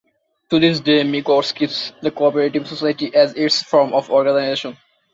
To this day, Migros keeps the cooperative society as its form of organisation.